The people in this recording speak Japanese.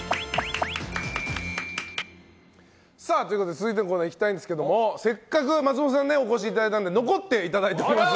続いてのコーナーいきたいんですけどもせっかく松本さんにお越しいただいたので残っていただいております。